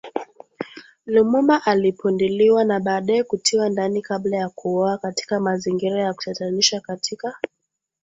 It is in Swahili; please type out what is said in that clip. Lumumba alipinduliwa na baadaye kutiwa ndani kabla ya kuuawa katika mazingira ya kutatanisha katika